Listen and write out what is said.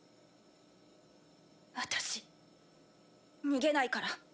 私逃げないから。